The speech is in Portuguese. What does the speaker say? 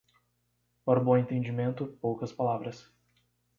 Para o bom entendimento, poucas palavras.